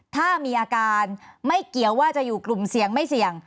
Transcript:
ถ้ามีอาการไม่เกี่ยวว่าจะอยู่กลุ่มเสี่ยงไม่เสี่ยง